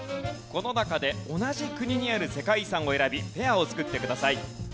この中で同じ国にある世界遺産を選びペアを作ってください。